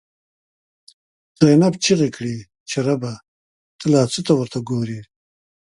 زینب ” چیغی کړی چی ربه، ته لا څه ته ورته ګوری”